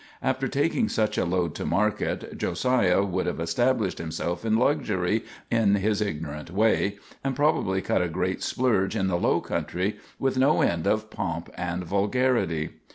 After taking such a load to market, Josiah would have established himself in luxury in his ignorant way, and probably cut a great splurge in the "low country," with no end of pomp and vulgarity.